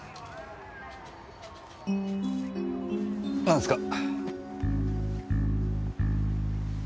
何すか？